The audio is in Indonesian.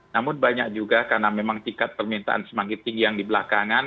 namun banyak juga karena memang tiket permintaan semangkiting yang di belakangan